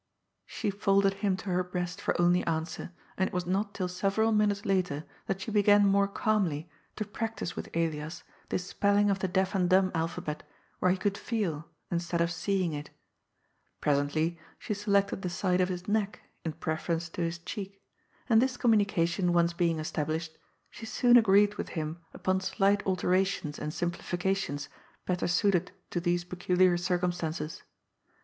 " She folded him to her breast for only answer, and it was not till several minutes later that she began more calmly to practice with Elias this spelling of the deaf and dumb alphabet where he could feel, instead of seeing it Presently she selected the side of his neck in preference to his cheek, and this communication once being established, she soon agreed with him upon slight alterations and simplifications better suited to these peculiar circumstances.